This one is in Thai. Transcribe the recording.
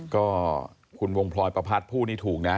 ก็คุณวงพลอยประพัทธพูดนี่ถูกนะ